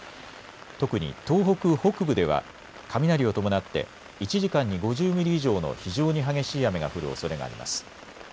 特に東北北部では雷を伴って１時間に５０ミリ以上の非常に激しい雨が降るおそれがあります。